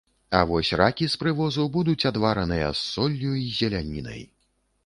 А вось ракі з прывозу будуць адвараныя з соллю і зелянінай.